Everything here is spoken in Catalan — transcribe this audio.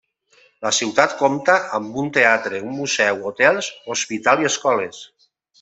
La ciutat compta amb un teatre, un museu, hotels, hospital i escoles.